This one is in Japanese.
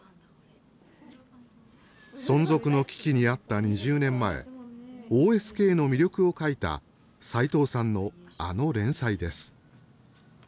存続の危機にあった２０年前ＯＳＫの魅力を書いた齋藤さんのあの連載です。